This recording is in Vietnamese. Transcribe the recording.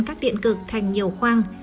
cắt điện cực thành nhiều khoang